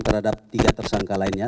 terhadap tiga tersangka lainnya